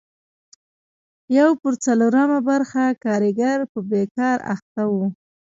یو پر څلورمه برخه کارګر په بېګار اخته وو.